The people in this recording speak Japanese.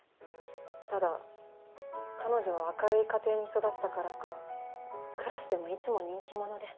ただ彼女は明るい家庭に育ったからかクラスでもいつも人気者で。